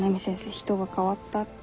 人が変わったって。